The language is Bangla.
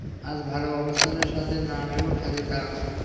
আজ ভালো অবস্থানের সাথে নাম এবং খ্যাতির কারণ।